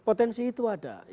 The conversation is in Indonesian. potensi itu ada